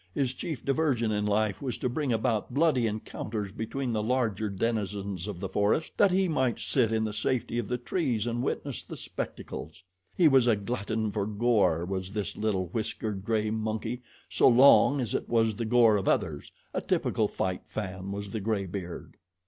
His chief diversion in life was to bring about bloody encounters between the larger denizens of the forest, that he might sit in the safety of the trees and witness the spectacles. He was a glutton for gore, was this little, whiskered, gray monkey, so long as it was the gore of others a typical fight fan was the graybeard.